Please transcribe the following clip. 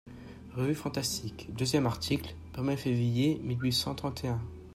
_Revue Fantastique_, deuxième article, premier février mille huit cent trente et un.